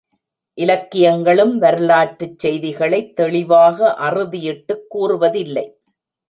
இலக்கியங்களும் வரலாற்றுச் செய்திகளைத் தெளிவாக அறுதியிட்டுக் கூறுவதில்லை.